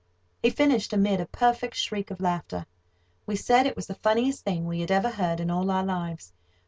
He finished amid a perfect shriek of laughter. We said it was the funniest thing we had ever heard in all our lives.